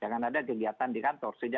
jangan ada kegiatan di kantor